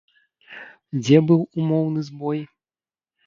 Дзе быў умоўны збой?